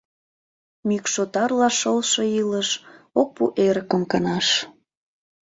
Мӱкшотарла шолшо илыш Ок пу эрыкым канаш…